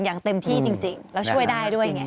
อย่างเต็มที่จริงแล้วช่วยได้ด้วย